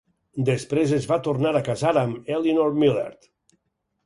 Després es va tornar a casar amb Eleanor Millard.